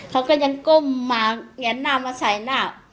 เขาก็ยังก้มน้ำแส่หน้า